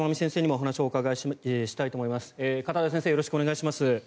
よろしくお願いします。